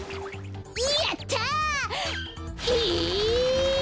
やった！え！